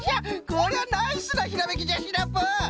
こりゃナイスなひらめきじゃシナプー！